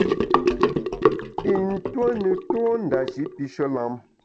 I ntue ne tô ndashi pishe lam.